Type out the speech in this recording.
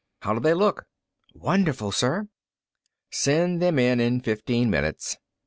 "How do they look?" "Wonderful, sir." "Send them in in fifteen minutes."